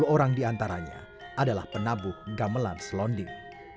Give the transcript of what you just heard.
tiga puluh orang di antaranya adalah penabuh gamelan selonding